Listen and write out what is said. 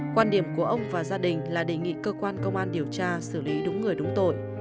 quan điểm của ông và gia đình là đề nghị cơ quan công an điều tra xử lý đúng người đúng tội